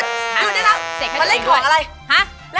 ยุดอย่าทำมันเล่นของอะไร